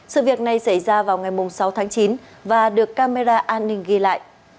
sự việc này xảy ra vào ngày sáu tháng chín và được camera an ninh ghi lại